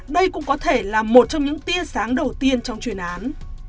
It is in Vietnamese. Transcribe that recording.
đây cũng có thể là một trong những tia sáng đầu tiên trong chuyên án